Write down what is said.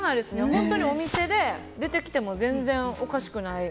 本当にお店で出てきても全然おかしくない。